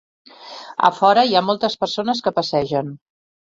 A fora, hi ha moltes persones que passegen.